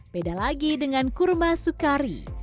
beda lagi dengan kurma sukari